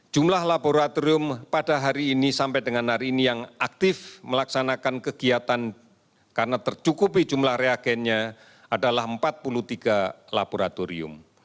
jumlah laboratorium pada hari ini sampai dengan hari ini yang aktif melaksanakan kegiatan karena tercukupi jumlah reagennya adalah empat puluh tiga laboratorium